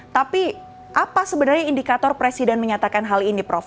tapi apa sebenarnya indikator presiden menyatakan hal ini prof